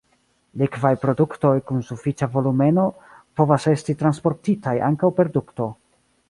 Likvaj produktoj kun sufiĉa volumeno povas esti transportitaj ankaŭ per dukto.